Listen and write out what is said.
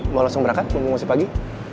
mau langsung berangkat minggu minggu siapagi